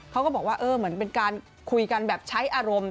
เขาก็บอกว่าเออเหมือนเป็นการคุยกันแบบใช้อารมณ์